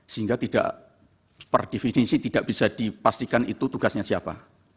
sehingga tidak per definisi tidak bisa dipastikan itu tugasnya siapa